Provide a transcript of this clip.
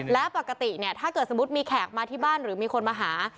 และปกติเนี่ยถ้าเกิดสมมุติมีแขกมาที่บ้านหรือมีคนมาหา